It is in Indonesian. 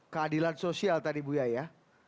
keadilan sosial tadi buya ya